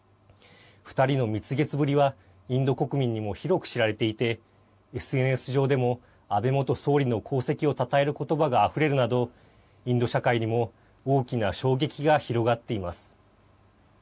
２人の蜜月ぶりはインド国民にも広く知られていてＳＮＳ上でも安倍元総理の功績をたたえることばがあふれるなどインド社会にも大きな衝撃が広がっています。